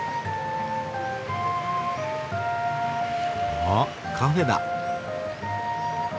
あっカフェだ。